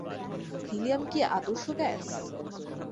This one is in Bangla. হিলিয়াম কি আদর্শ গ্যাস?